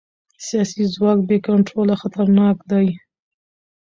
سیاسي ځواک بې کنټروله خطرناک دی